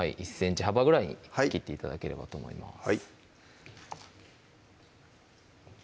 １ｃｍ幅ぐらいに切って頂ければと思います